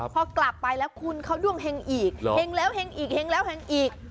พอกลับไปแล้วคุณเขาด้วงแห่งอีกแห่งแล้วแห่งอีกแห่งแล้วแห่งอีก